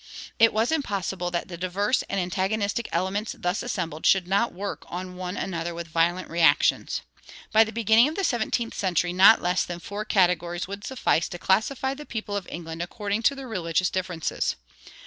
It was impossible that the diverse and antagonist elements thus assembled should not work on one another with violent reactions. By the beginning of the seventeenth century not less than four categories would suffice to classify the people of England according to their religious differences.